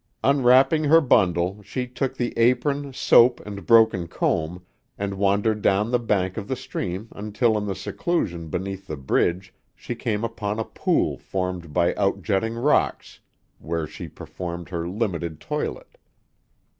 Unwrapping her bundle, she took the apron, soap, and broken comb, and wandered down the bank of the stream until in the seclusion beneath the bridge she came upon a pool formed by outjutting rocks, where she performed her limited toilet.